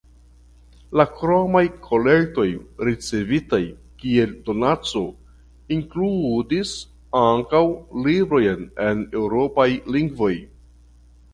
La kromaj kolektoj ricevitaj kiel donaco inkludis ankaŭ librojn en eŭropaj lingvoj.